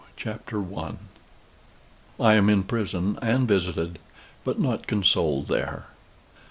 CHAPTER I. I AM IN PRISON, AND VISITED, BUT NOT CONSOLED THERE.